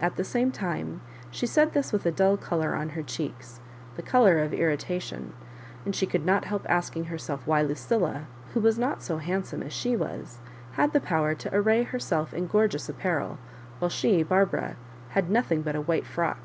At the same time, she said this with a dull colour on her cheeks, the colour of irritation ; and she could not help asking herself why Lucilla, who was not so handsome as she was, had the power to array herself in gorgeous appa rel, while she, Barbara, had nothing but a white frock.